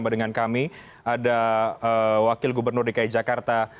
baik alhamdulillah sehat